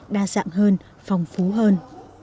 đa dạng hơn phong phú hơn